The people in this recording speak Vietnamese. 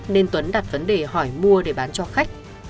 nên tuấn đặt vấn đề hỏi mua để bán cho khách